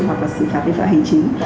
hoặc là xử phạt vi phạm hành chính